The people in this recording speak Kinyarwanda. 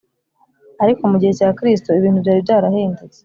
ariko mu gihe cya kristo ibintu byari byarahindutse